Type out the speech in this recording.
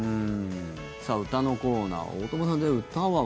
歌のコーナー大友さん、歌は。